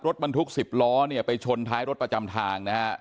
รถบรรทุก๑๐ล้อเนี่ยไปชนท้ายรถประจำทางนะฮะ